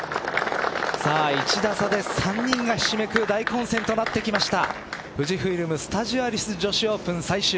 １打差で３人がひしめく大混戦となってきました。